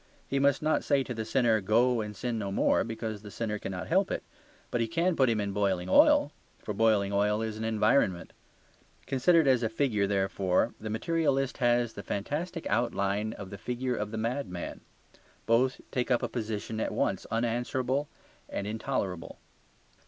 He must not say to the sinner, "Go and sin no more," because the sinner cannot help it. But he can put him in boiling oil; for boiling oil is an environment. Considered as a figure, therefore, the materialist has the fantastic outline of the figure of the madman. Both take up a position at once unanswerable and intolerable.